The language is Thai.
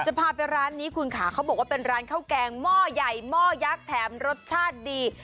จะพาไปร้านนี้คุณค่ะเขาบอกว่าเป็นร้านข้าวแกงหม้อใหญ่หม้อยักษ์แถมรสชาติดี